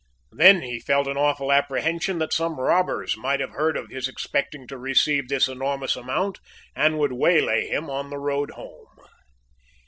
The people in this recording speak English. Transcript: Then he felt an awful apprehension that some robbers might have heard of his expecting to receive this enormous amount, and would waylay him on the road home.